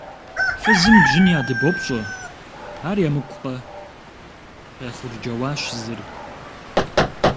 – Фызым бжьын ядыбопщӀэ, ар емыкӀукъэ? – къехъурджэуащ зыр.